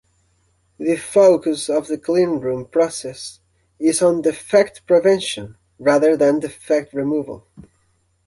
The focus of the cleanroom process is on defect prevention, rather than defect removal.